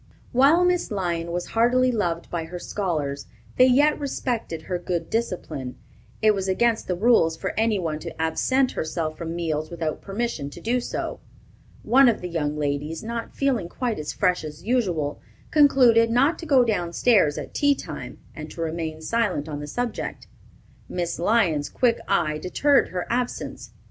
While Miss Lyon was heartily loved by her scholars, they yet respected her good discipline. It was against the rules for any one to absent herself from meals without permission to do so. One of the young ladies, not feeling quite as fresh as usual, concluded not to go down stairs at tea time, and to remain silent on the subject. Miss Lyon's quick eye detected her absence.